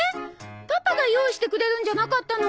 パパが用意してくれるんじゃなかったの？